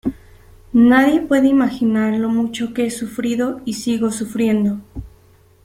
Nadie puede imaginar lo mucho que he sufrido y sigo sufriendo".